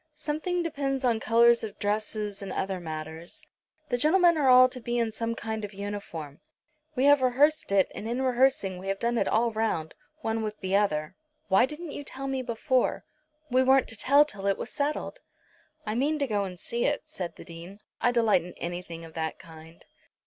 Something depends on colours of dress and other matters. The gentlemen are all to be in some kind of uniform. We have rehearsed it, and in rehearsing we have done it all round, one with the other." "Why didn't you tell me before?" "We weren't to tell till it was settled." "I mean to go and see it," said the Dean. "I delight in anything of that kind."